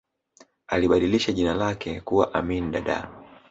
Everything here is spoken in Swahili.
alibadilisha jina lake kuwa amin dada